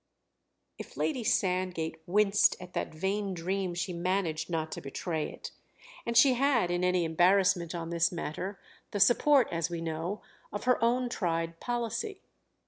If Lady Sandgate winced at that vain dream she managed not to betray it, and she had, in any embarrassment on this matter, the support, as we know, of her own tried policy.